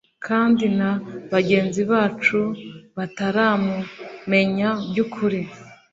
kandi na bagenzi bacu bataramumenya by'ukuri